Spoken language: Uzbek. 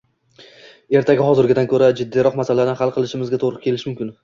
ertaga hozirgidan ko‘ra jiddiyroq masalalarni hal qilishimizga to‘g‘ri kelishi mumkin